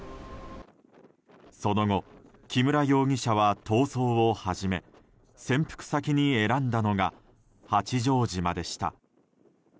その後木村容疑者は逃走を始め潜伏先に選んだのが八丈島でした。